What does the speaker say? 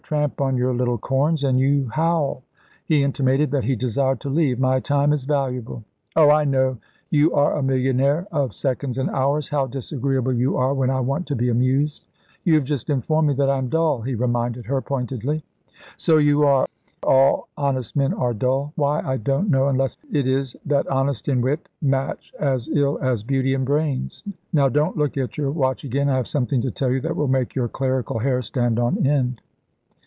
Tramp on your little corns and you howl." He intimated that he desired to leave. "My time is valuable." "Oh, I know yon are a millionaire of seconds and hours. How disagreeable you are, when I want to be amused!" "You have just informed me that I am dull," he reminded her pointedly. "So you are; all honest men are dull. Why, I don't know, unless it is that honesty and wit match as ill as beauty and brains. Now don't look at your watch again. I have something to tell you that will make your clerical hair stand on end."